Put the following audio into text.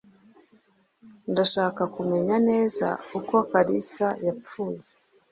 Ndashaka kumenya neza uko Kalisa yapfuye.